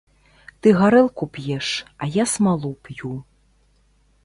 Ты гарэлку п'еш, а я смалу п'ю.